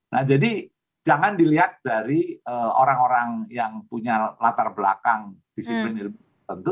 nah jadi jangan dilihat dari orang orang yang punya latar belakang disiplin